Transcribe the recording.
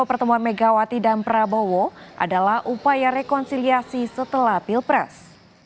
pertemuan megawati dan prabowo adalah upaya rekonsiliasi setelah pilpres